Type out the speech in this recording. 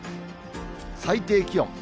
最低気温。